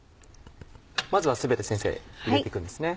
まずは全て入れていくんですね。